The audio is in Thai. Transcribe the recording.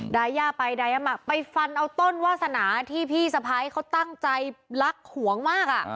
ยาย่าไปดายามากไปฟันเอาต้นวาสนาที่พี่สะพ้ายเขาตั้งใจรักหวงมาก